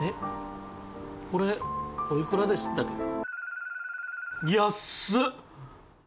これおいくらでしたっけ？